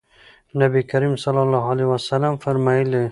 نبي کريم صلی الله عليه وسلم فرمايلي: